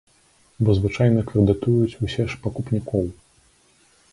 Бо звычайна крэдытуюць усе ж пакупнікоў.